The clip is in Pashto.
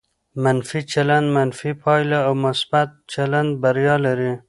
منفي چلند منفي پایله او مثبت چلند بریا لري.